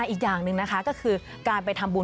อีกอย่างหนึ่งนะคะก็คือการไปทำบุญ